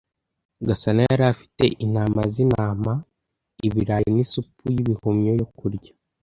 Gasana yari afite intama zintama, ibirayi nisupu yibihumyo yo kurya.